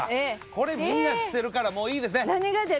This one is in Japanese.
これみんな知ってるからもういいですね。